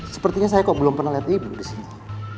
sepertinya saya kok belum pernah lihat ibu disini